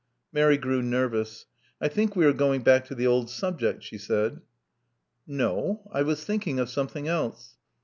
Mary grew nervous. I think we are going back to the old subject," she said. No. I was thinking of something else.